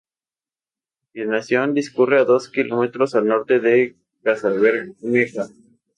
A continuación, discurre a dos kilómetros al norte de Casabermeja.